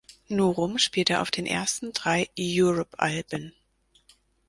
Norum spielte auf den ersten drei Europe-Alben.